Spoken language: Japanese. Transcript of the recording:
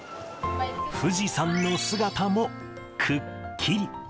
富士山の姿もくっきり。